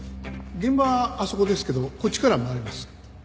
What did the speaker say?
現場はあそこですけどこっちから回れます。